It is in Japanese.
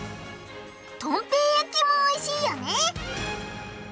トンペイ焼きもおいしいよね。